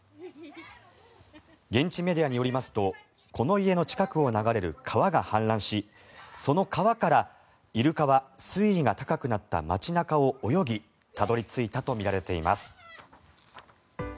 現地メディアによりますとこの家の近くを流れる川が氾濫しその川からイルカは水位が高くなった街中を泳ぎたどり着いたとみられています。